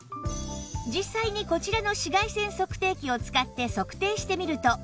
実際にこちらの紫外線測定器を使って測定してみると